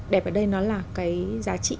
đẹp ở đây nó là cái giá trị